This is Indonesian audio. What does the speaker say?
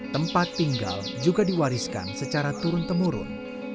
tempat tinggal juga diwariskan secara turun temurun